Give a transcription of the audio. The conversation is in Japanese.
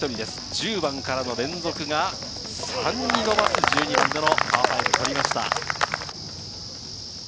１０番からの連続が３に伸ばす１２番でのパー５を取りました。